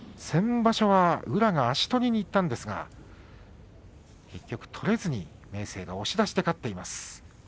先場所は宇良が足取りにいったんですが明生が押し出しで勝っています。